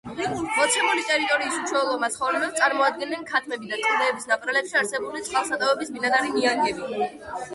მოცემული ტერიტორიის უჩვეულო მაცხოვრებლებს წარმოადგენენ ქათმები, და კლდეების ნაპრალებში არსებული წყალსატევების ბინადარი ნიანგები.